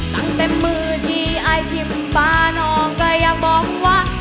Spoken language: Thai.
ตั้งแต่มือทีอายทิมฟ้าน้องก็อยากบอกว่า